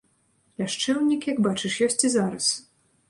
Ляшчэўнік, як бачыш, ёсць і зараз.